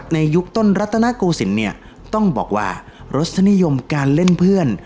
ยุคต้นรัตนโกศิลป์เนี่ยต้องบอกว่ารสนิยมการเล่นเพื่อน